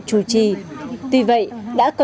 chủ trì tuy vậy đã có